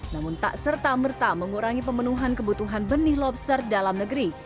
namun tak serta merta mengurangi pemenuhan kebutuhan benih lobster dalam negeri